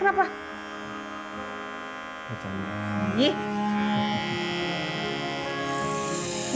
kamu tau kenapa gue gak suka